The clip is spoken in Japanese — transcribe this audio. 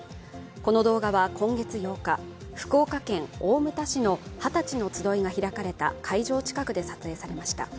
この動画は今月８日、福岡県大牟田市のはたちの集いが開かれた会場近くで撮影されました。